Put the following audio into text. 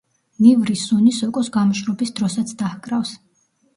ნივრის სუნი სოკოს გამოშრობის დროსაც დაჰკრავს.